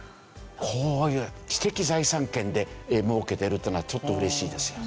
こういう知的財産権で儲けてるというのはちょっと嬉しいですよね。